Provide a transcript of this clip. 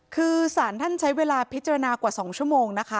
คือสารท่านใช้เวลาพิจารณากว่า๒ชั่วโมงนะคะ